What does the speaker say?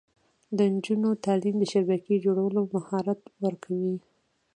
د نجونو تعلیم د شبکې جوړولو مهارت ورکوي.